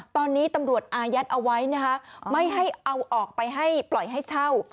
ตอนนี้ตำรวจอายัดเอาไว้นะคะไม่ให้เอาออกไปให้ปล่อยให้เช่า